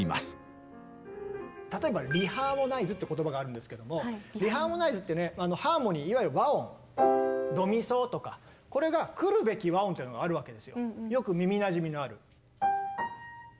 例えばリハーモナイズって言葉があるんですけどもリハーモナイズってねハーモニーいわゆる和音ドミソとかこれが来るべき和音ってのがあるわけですよよく耳なじみのある。